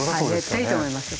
絶対いいと思いますよ。